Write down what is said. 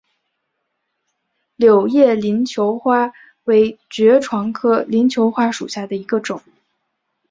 柳叶鳞球花为爵床科鳞球花属下的一个种。